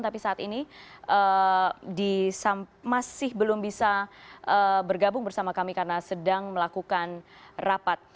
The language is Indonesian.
tapi saat ini masih belum bisa bergabung bersama kami karena sedang melakukan rapat